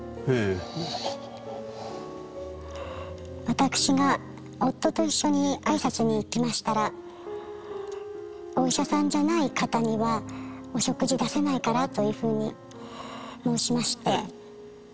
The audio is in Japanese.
私が夫と一緒に挨拶に行きましたらお医者さんじゃない方にはお食事出せないからというふうに申しまして。